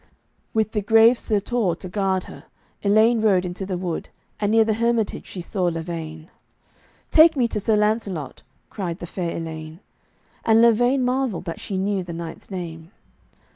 With the grave Sir Torre to guard her, Elaine rode into the wood, and near the hermitage she saw Lavaine. 'Take me to Sir Lancelot,' cried the Fair Elaine. And Lavaine marvelled that she knew the knight's name.